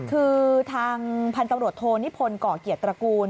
คือทางพันธุ์ตำรวจโทนิพลก่อเกียรติตระกูล